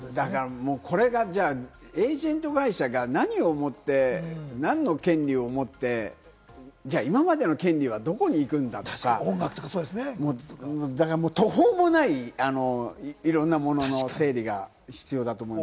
これがエージェント会社が何を思って、何の権利を持って、今までの権利はどこに行くんだとか、途方もない、いろんなものの整理が必要だと思います。